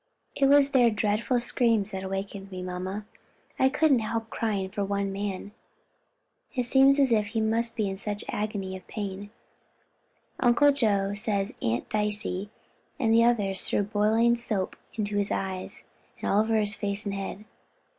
"It was their dreadful screams that waked me, mamma. I couldn't help crying for one man; it seemed as if he must be in such an agony of pain. Uncle Joe says Aunt Dicey and the others threw boiling soap into his eyes, and all over his face and head.